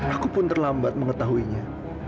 aku pun terlambat mengetahuinya